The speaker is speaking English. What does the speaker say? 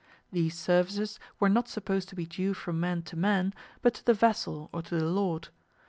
These services were not supposed to be due from man to man, but to the vassal or to the lord.